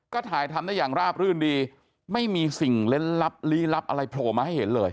ก็ถ่ายทำได้อย่างราบรื่นดีไม่มีสิ่งเล่นลับลี้ลับอะไรโผล่มาให้เห็นเลย